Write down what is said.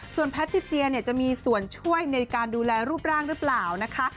แพทิเซียเนี่ยจะมีส่วนช่วยในการดูแลรูปร่างหรือเปล่านะคะ